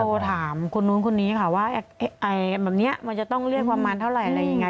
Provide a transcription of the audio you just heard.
โทรถามคนนู้นคนนี้ค่ะว่าแบบนี้มันจะต้องเรียกประมาณเท่าไหร่อะไรยังไง